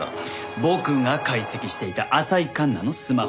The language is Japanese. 僕が解析していた浅井環那のスマホに。